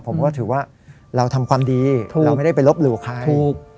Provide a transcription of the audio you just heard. ผมก็ถือว่าเราทำความดีเราไม่ได้ไปลบหลู่ใครถูก